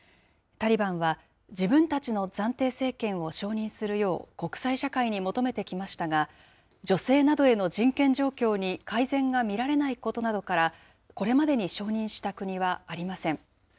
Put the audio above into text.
タリバンは、自分たちの暫定政権を承認するよう、国際社会に求めてきましたが、女性などへの人権状況に改善が見られないことなどから、これまでに承認した国はありません。